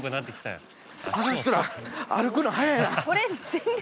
あの人ら歩くの速いな。